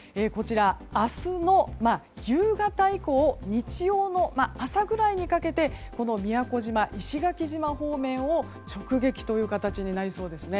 明日の夕方以降日曜の朝ぐらいにかけてこの宮古島、石垣島方面を直撃という形になりそうです。